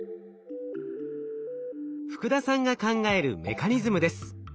福田さんが考えるメカニズムです。